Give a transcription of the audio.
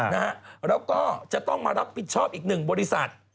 แล้วก็จะต้องมารับผิดชอบอีกหนึ่งบริษัท